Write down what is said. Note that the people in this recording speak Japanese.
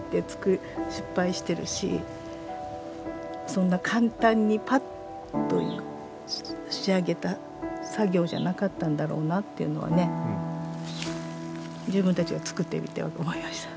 そんな簡単にパッと仕上げた作業じゃなかったんだろうなっていうのはね自分たちがつくってみて思いました。